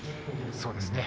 そうですね。